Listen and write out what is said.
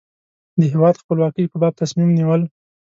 د هېواد خپلواکۍ په باب تصمیم نیول.